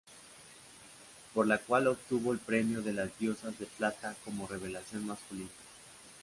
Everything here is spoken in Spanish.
Por la cual obtuvo el premio de las Diosas de plata como revelación masculina.